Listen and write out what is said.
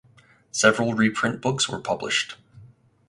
Several reprint books were published.